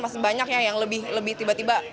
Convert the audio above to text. masih banyaknya yang lebih tiba tiba